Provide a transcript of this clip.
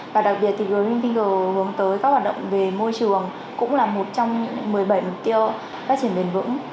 và đặc biệt thì greenpinger hướng tới các hoạt động về môi trường cũng là một trong những một mươi bảy mục tiêu phát triển bền vững